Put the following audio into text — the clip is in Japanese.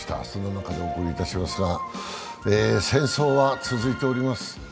その中でお送りいたしますが戦争は続いております。